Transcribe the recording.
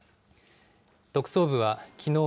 特捜部はきのう